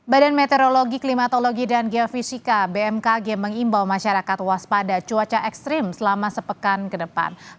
badan meteorologi klimatologi dan geofisika bmkg mengimbau masyarakat waspada cuaca ekstrim selama sepekan ke depan